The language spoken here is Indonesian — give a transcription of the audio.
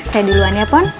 saya duluan ya pon